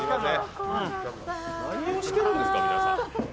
何をしてるんですか、皆さん。